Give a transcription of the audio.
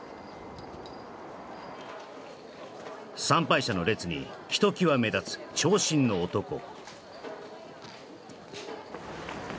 参拝者の列にひときわ目立つ長身の男